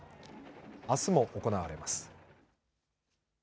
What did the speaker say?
あすも行われます。